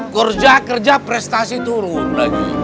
kerja kerja prestasi turun lagi